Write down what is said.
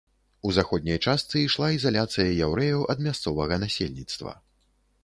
У заходняй частцы ішла ізаляцыя яўрэяў ад мясцовага насельніцтва.